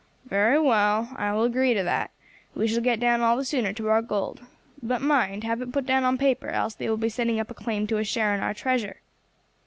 "Very well, I will agree to that; we shall get down all the sooner to our gold. But mind, have it put down on paper, else they will be setting up a claim to a share in our treasure."